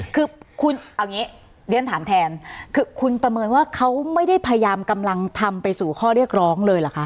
คือคุณเอาอย่างนี้เรียนถามแทนคือคุณประเมินว่าเขาไม่ได้พยายามกำลังทำไปสู่ข้อเรียกร้องเลยเหรอคะ